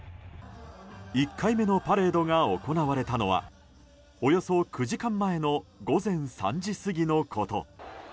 １回目のパレードが行われたのはおよそ９時間前の午前３時過ぎのこと。